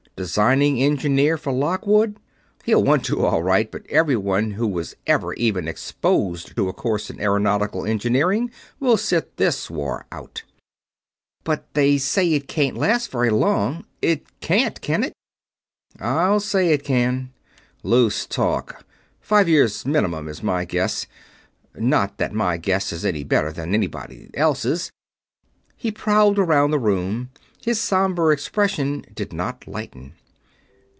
"Designing Engineer for Lockwood? He'll want to, all right, but anyone who was ever even exposed to a course in aeronautical engineering will sit this war out." "But they say it can't last very long. It can't, can it?" "I'll say it can. Loose talk. Five years minimum is my guess not that my guess is any better than anybody else's." He prowled around the room. His somber expression did not lighten.